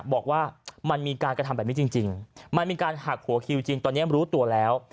บอกว่ามันมีการกระทำแบบนี้จริงมันมีการหักหัวคิวจริงตอนนี้รู้ตัวแล้ว